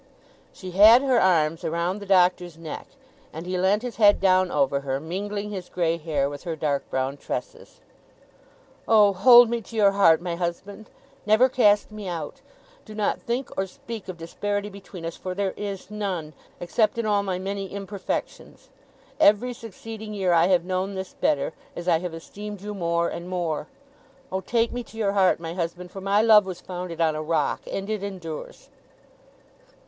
She had her arms around the Doctor's neck, and he leant his head down over her, mingling his grey hair with her dark brown tresses. 'Oh, hold me to your heart, my husband! Never cast me out! Do not think or speak of disparity between us, for there is none, except in all my many imperfections. Every succeeding year I have known this better, as I have esteemed you more and more. Oh, take me to your heart, my husband, for my love was founded on a rock, and it endures!